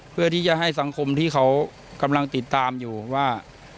เพื่อที่จะให้สังคมที่เขากำลังติดตามอยู่ว่า